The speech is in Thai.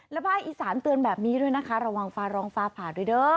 และพร่าคอีสานเตือนแบบนี้ด้วยนะคะเดอะอย่าล้างพาร้องพราภาฯ